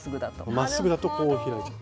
まっすぐだとこう開いちゃう。